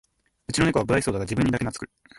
うちのネコは無愛想だが自分にだけなつく